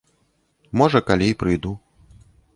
Можа, калі і прыйду.